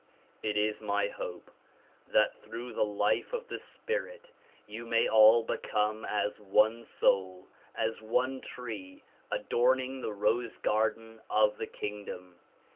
It is my hope that through the life of the spirit you may all become as one soul, as one tree adorning the rose garden of the kingdom.